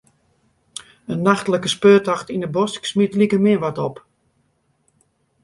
In nachtlike speurtocht yn 'e bosk smiet likemin wat op.